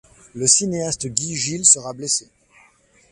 Le cinéaste Guy Gilles sera blessé.